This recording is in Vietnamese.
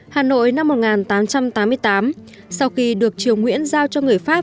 hà nội năm một nghìn tám trăm tám mươi tám sau khi được triều nguyễn giao cho người pháp